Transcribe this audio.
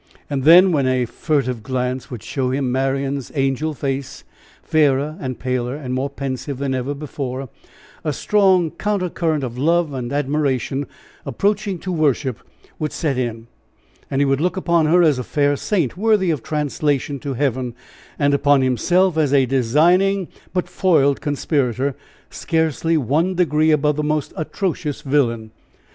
And then when a furtive glance would show him Marian's angel face, fairer and paler and more pensive than ever before a strong counter current of love and admiration approaching to worship, would set in, and he would look upon her as a fair saint worthy of translation to heaven, and upon himself as a designing but foiled conspirator, scarcely one degree above the most atrocious villain.